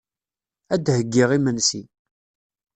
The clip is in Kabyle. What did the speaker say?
Ad d-heyyiɣ imensi.